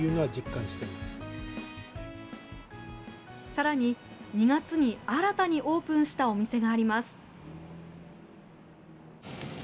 さらに、２月に新たにオープンしたお店があります。